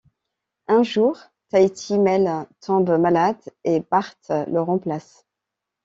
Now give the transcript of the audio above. Un jour, Tahiti Mel tombe malade et Bart le remplace.